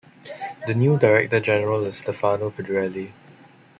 The new director general is Stefano Pedrelli.